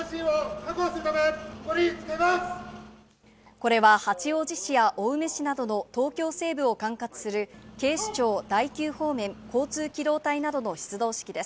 これは八王子市や青梅市などの東京西部を管轄する警視庁第九方面・交通機動隊などの出動式です。